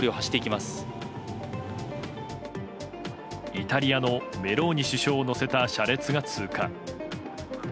イタリアのメローニ首相を乗せた車列が通過。